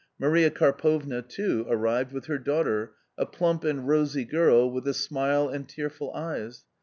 Maria Karpovna, too, arrived with her daughter, a plump and rosy girl, with a smile and tearful eyes.